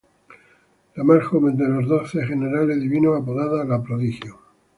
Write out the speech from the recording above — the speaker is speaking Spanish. La más joven de los Doce Generales Divinos apodada "La Prodigio".